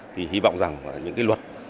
thì hy vọng rằng những cái luật